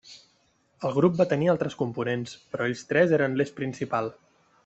El grup va tenir altres components, però ells tres eren l'eix principal.